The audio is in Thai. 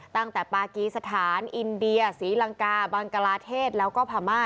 ตั้งแต่ปากีสถานอินเดียศรีลังกาบังกลาเทศแล้วก็พม่า